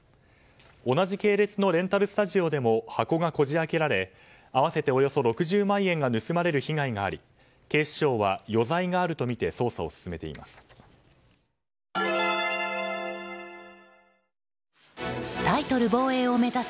同じ系列のレンタルスタジオでも箱がこじ開けられ合わせておよそ６０万円が盗まれる被害があり警視庁は、余罪があるとみて捜査を進めています。